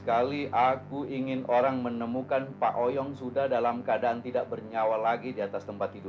aku ingin kamu mendatangi dia dan meledakkan kepalanya di rumah sakit itu